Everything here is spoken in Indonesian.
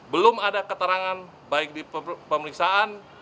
belum ada keterangan baik di pemeriksaan